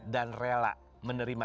dan rela menerima